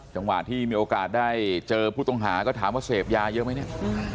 จังหวะที่มีโอกาสได้เจอผู้ต้องหาก็ถามว่าเสพยาเยอะไหมเนี่ย